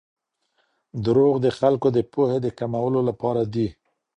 دروغ د خلګو د پوهي د کمولو لپاره دي.